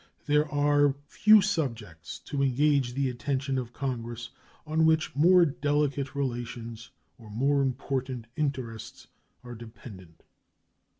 There are few subjects to engage the attention of Congress on which more delicate relations or more important interests are dependent.